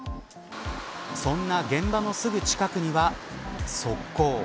そんな現場のすぐ近くには側溝。